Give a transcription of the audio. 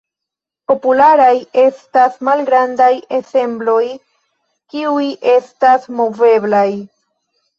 Popularaj estas malgrandaj ensembloj, kiuj estas moveblaj.